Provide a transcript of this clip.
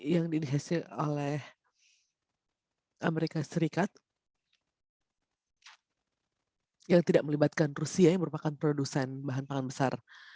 yang dihasil oleh amerika serikat yang tidak melibatkan rusia yang merupakan produsen bahan pangan besar